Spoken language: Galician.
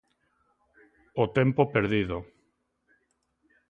O tempo perdido.